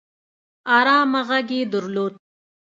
ارامه غږ يې درلود